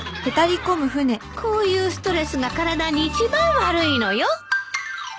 こういうストレスが体に一番悪いのよ。